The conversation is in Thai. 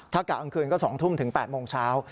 ถ้ากะกลางคืนก็๒ทุ่มถึง๘โมงเช้า